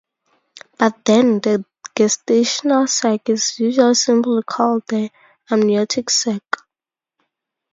By then, the gestational sac is usually simply called the "amniotic sac".